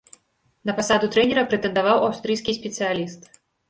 На пасаду трэнера прэтэндаваў аўстрыйскі спецыяліст.